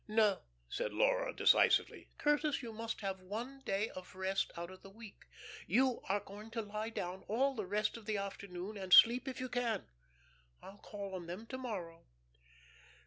"No," said Laura, decisively. "Curtis, you must have one day of rest out of the week. You are going to lie down all the rest of the afternoon, and sleep if you can. I'll call on them to morrow."